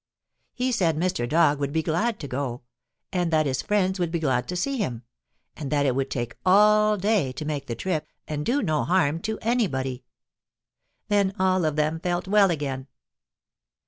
He said Mr. Dog would be glad to go, and that his friends would be glad to see him, and that it would take all day to make the trip and do no harm to anybody. Then all of them felt well again.